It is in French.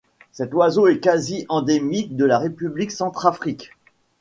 Cet oiseau est quasi-endémique à la République centrafricaine.